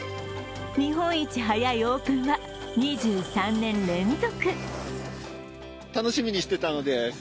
日本一早いオープンは２３年連続。